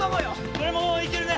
これもいけるね。